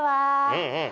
うんうん！